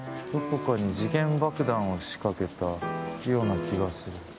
どこかに時限爆弾を仕掛けたような気がする。